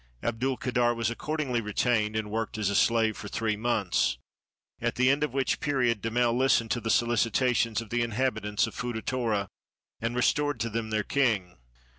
Abdul kader was accordingly retained, and worked as a slave for three months; at the end of which period Damel listened to the solicitations of the inhabitants of Foota Torra, and restored to them their king.